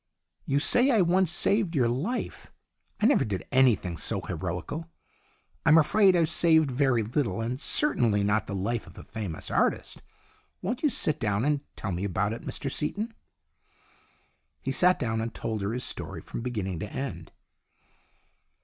"You say I once saved your life. I never did anything so heroical. I'm afraid I've saved very little, and certainly not the life of a famous artist. Won't you sit down and tell me about it, Mr Seaton ?" He sat down and told her his story, from beginning to end.